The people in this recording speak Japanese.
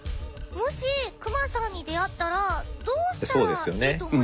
もしクマさんに出会ったらどうしたらいいと思いますか？